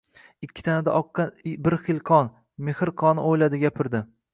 Ikki tanada oqqan bir xil qon – mehr qoni oʻyladi, gapirdi.